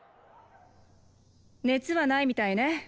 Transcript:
熱はないみたいね。